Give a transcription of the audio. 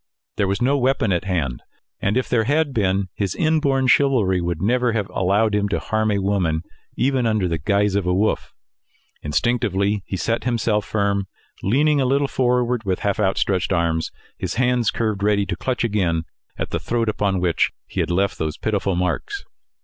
There was no weapon at hand; and if there had been, his inborn chivalry would never have allowed him to harm a woman even under the guise of a wolf. Instinctively, he set himself firm, leaning a little forward, with half outstretched arms, and hands curved ready to clutch again at the throat upon which he had left those pitiful marks.